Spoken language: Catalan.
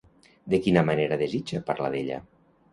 De quina manera desitja parlar d'ella?